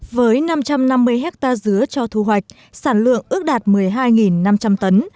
với năm trăm năm mươi hectare dứa cho thu hoạch sản lượng ước đạt một mươi hai năm trăm linh tấn